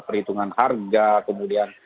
perhitungan harga kemudian